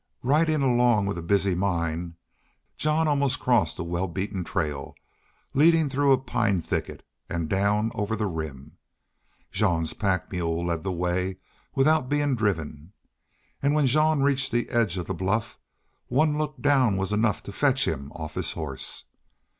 Riding along with busy mind, Jean almost crossed a well beaten trail, leading through a pine thicket and down over the Rim. Jean's pack mule led the way without being driven. And when Jean reached the edge of the bluff one look down was enough to fetch him off his horse.